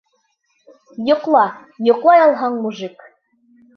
Йоҡла, йоҡлай алһаң, мужик.